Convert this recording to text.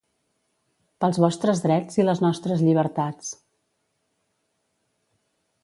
Pels vostres drets i les nostres llibertats.